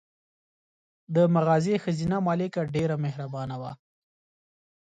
د مغازې ښځینه مالکه ډېره مهربانه وه.